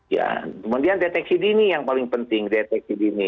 ya kemudian deteksi dini yang paling penting deteksi dini